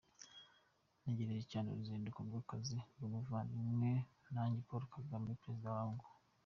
"Ntegereje cyane uruzinduko rw’akazi rw’umuvandimwe wanjye Perezida Paul Kagame" Perezida Lungu.